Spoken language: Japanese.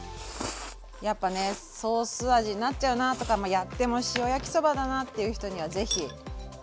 やっぱねソース味になっちゃうなとかやっても塩焼きそばだなっていう人には是非。